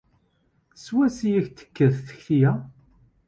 Seg wansi ay ak-d-tekka takti-a?